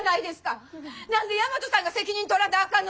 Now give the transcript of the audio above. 何で大和さんが責任取らなあかんのですか！？